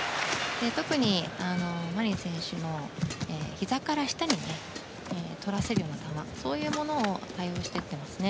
特に、マリン選手にひざから下でとらせるような球を多用していっていますね。